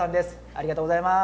ありがとうございます！